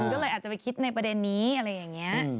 ก็เลยอาจจะไปคิดในประเด็นนี้อะไรอย่างนี้